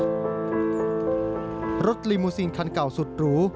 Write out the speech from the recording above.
เรื่องรถรีมูซีนครั้งเก่าสุดหรู